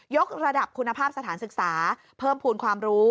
กระดับคุณภาพสถานศึกษาเพิ่มภูมิความรู้